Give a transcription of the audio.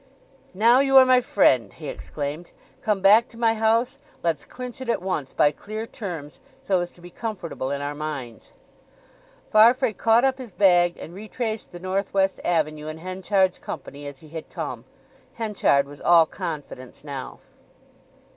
"Now you are my friend!" he exclaimed. "Come back to my house; let's clinch it at once by clear terms, so as to be comfortable in our minds." Farfrae caught up his bag and retraced the North West Avenue in Henchard's company as he had come. Henchard was all confidence now.